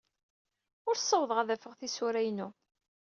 Ur ssawḍeɣ ad d-afeɣ tisura-inu.